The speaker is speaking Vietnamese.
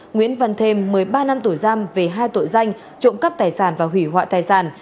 nguyễn văn thêm một mươi ba năm tù giam về hai tội danh trộm cắp tài sản và hủy hoại tài sản